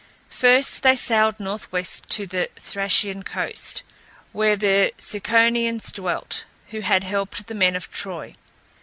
First they sailed northwest to the Thracian coast, where the Ciconians dwelt, who had helped the men of Troy.